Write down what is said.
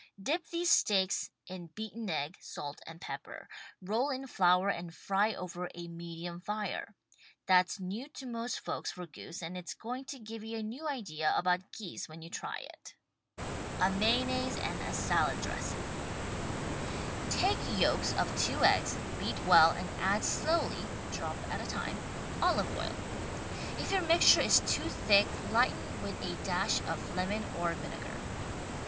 Dip these steaks in beaten egg, salt and pepper. Roll in flour and fry over a medium fire. That's new to most folks for goose and it's going to give you a new idea about geese when you try it. [I2I] THE STAG COOK BOOK A MAYONNAISE AND A SALAD DRESSING Take yolks of two eggs, beat well and add slowly ( drop at a time) olive oil. If your mixture is too thick lighten with dash of lemon or vinegar.